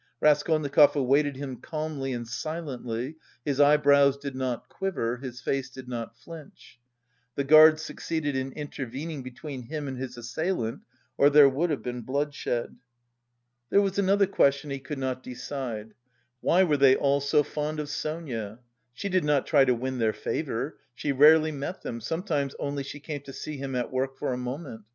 Raskolnikov awaited him calmly and silently; his eyebrows did not quiver, his face did not flinch. The guard succeeded in intervening between him and his assailant, or there would have been bloodshed. There was another question he could not decide: why were they all so fond of Sonia? She did not try to win their favour; she rarely met them, sometimes only she came to see him at work for a moment.